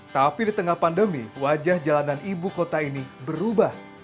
tapi di tengah pandemi wajah jalanan ibu kota ini berubah